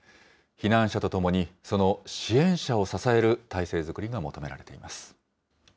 避難者とともに、その支援者を支える態勢作りが求められています。